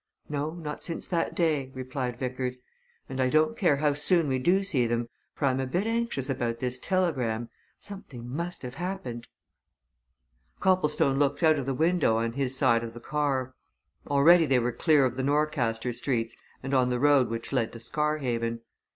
"No not since that day," replied Vickers. "And I don't care how soon we do see them, for I'm a bit anxious about this telegram. Something must have happened." Copplestone looked out of the window on his side of the car. Already they were clear of the Norcaster streets and on the road which led to Scarhaven.